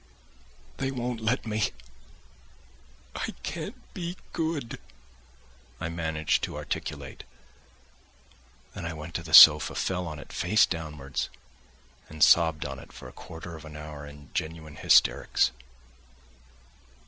"They won't let me ... I can't be good!" I managed to articulate; then I went to the sofa, fell on it face downwards, and sobbed on it for a quarter of an hour in genuine hysterics.